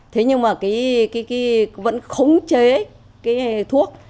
thế nhưng mà vẫn khống chế cái thuốc